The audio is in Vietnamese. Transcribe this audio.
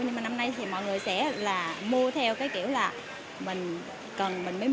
nhưng mà năm nay thì mọi người sẽ là mua theo cái kiểu là mình cần mình mới mua